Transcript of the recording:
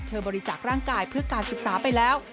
บริจาคร่างกายเพื่อการศึกษาไปแล้ว